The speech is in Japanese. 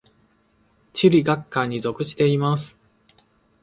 地理学科に属しています。